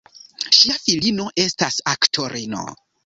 Ŝia filino estas aktorino.